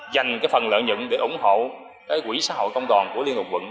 dành phần lợi nhận để ủng hộ quỹ xã hội công đoàn của liên hợp quận